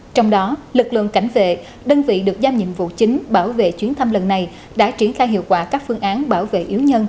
trong đó lực lượng cảnh vệ đơn vị được giao nhiệm vụ chính bảo vệ chuyến thăm lần này đã triển khai hiệu quả các phương án bảo vệ yếu nhân